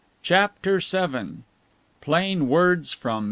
CHAPTER VII PLAIN WORDS FROM MR.